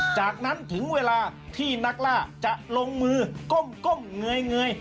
จากนั้นถึงเวลาที่นักล่าจะลงมือก้มก้มเหงื่อยเหงื่อย